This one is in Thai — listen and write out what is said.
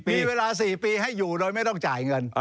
มีเวลา๔ปีให้อยู่โดยไม่ต้องจ่ายเงิน